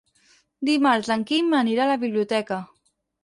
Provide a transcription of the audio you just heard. Dimarts en Quim anirà a la biblioteca.